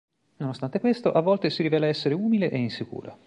Nonostante questo, a volte si rivela essere umile e insicura.